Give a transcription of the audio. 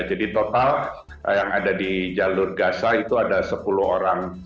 jadi total yang ada di jalur gaza itu ada sepuluh orang